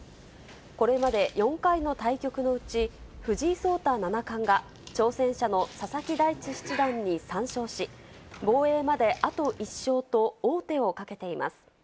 これまで４回の対局のうち、藤井聡太七冠が挑戦者の佐々木大地七段に３勝し、防衛まであと１勝と王手をかけています。